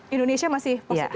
indonesia masih positif ya